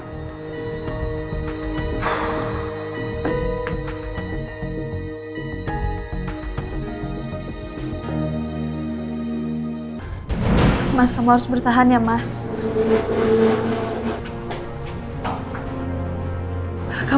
bisa memperlancar dan memperbagi keadaan dari perusahaan